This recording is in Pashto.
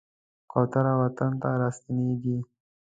کوتره وطن ته راستنېږي.